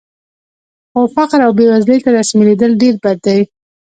خو فقر او بېوزلۍ ته تسلیمېدل ډېر بد دي